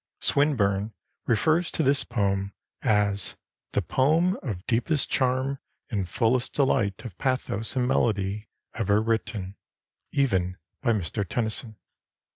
Swinburne refers to this poem as 'the poem of deepest charm and fullest delight of pathos and melody ever written, even by Mr Tennyson.'